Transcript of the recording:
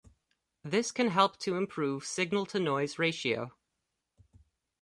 This can help to improve signal-to-noise ratio.